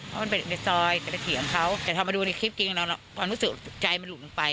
เพราะมันเป็นในซอยจะไปเถียงเขาแต่พอมาดูในคลิปจริงความรู้สึกใจมันหลุดลงไป